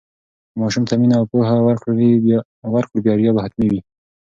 که ماشوم ته مینه او پوهه ورکړو، بریا به حتمي وي.